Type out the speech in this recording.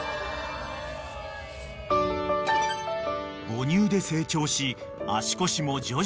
［母乳で成長し足腰も徐々に発達］